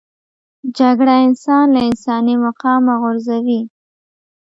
جګړه انسان له انساني مقامه غورځوي